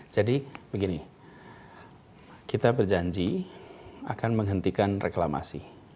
jadi begini kita berjanji akan menghentikan reklamasi